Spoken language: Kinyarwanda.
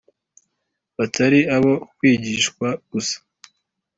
batari abo kwigishwa gusa,